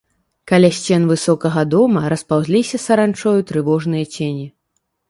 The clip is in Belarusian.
Каля сцен высокага дома распаўзліся саранчою трывожныя цені.